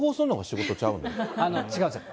それ、違うんですよ。